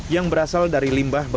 yang berasal dari limbah